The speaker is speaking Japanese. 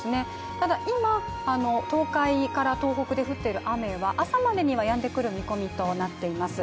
ただ今、東海から東北で降っている雨は朝までにはやんでくる見込みとなっています。